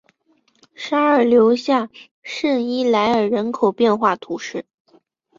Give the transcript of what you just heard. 沙尔留下圣伊莱尔人口变化图示